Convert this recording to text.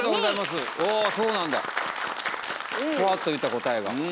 ふわっと言った答えが。